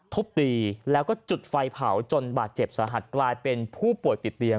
ทุบตีแล้วก็จุดไฟเผาจนบาดเจ็บสาหัสกลายเป็นผู้ป่วยติดเตียง